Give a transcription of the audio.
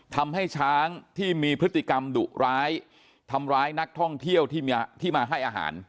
ทำให้ช้างที่มีพฤติกรรมดุร้ายทำร้ายนักท่องเที่ยวที่มาให้อาหาร